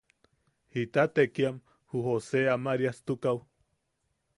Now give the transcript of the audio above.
¿Jita tekiamk ju Jose Amariastukaʼu?